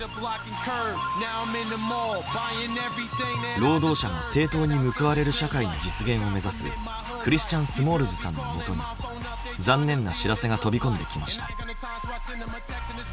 労働者が正当に報われる社会の実現を目指すクリスチャン・スモールズさんのもとに残念な知らせが飛び込んできました。